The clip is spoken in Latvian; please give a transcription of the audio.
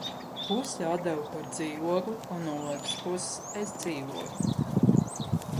Pusi atdevu par dzīvokli un no otras puses es dzīvoju.